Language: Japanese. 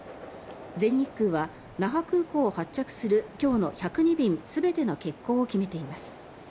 全日空は那覇空港を発着する今日の１０２便全ての欠航を決めています。